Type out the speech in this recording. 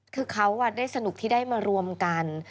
คือเขาได้สนุกที่ได้มารวมกัน